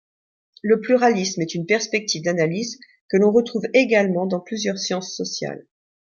Le pluralisme est une perspective d'analyse que l'on retrouve également dans plusieurs sciences sociales.